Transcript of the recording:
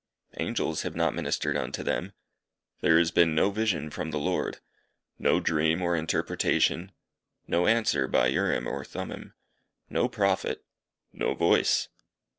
Angels have not ministered unto them. There has been no vision from the Lord. No dream or interpretation. No answer by Urim or Thummim. No Prophet. No voice.